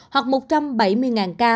một trăm ba mươi hoặc một trăm bảy mươi ca